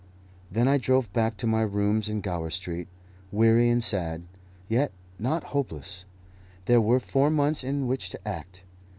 Then I drove back to my rooms in Gower Street, weary and sad, yet not hopeless. There were four months in which to act.